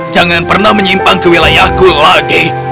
jangan pernah menyimpang ke wilayahku lagi